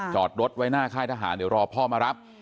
จอดรถไว้หน้าค่ายทหารเดี๋ยวรอพ่อมารับ